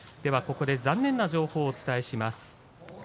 ここで残念な情報をお伝えします。